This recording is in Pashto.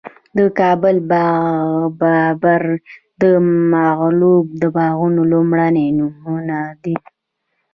د کابل باغ بابر د مغلو د باغونو لومړنی نمونه ده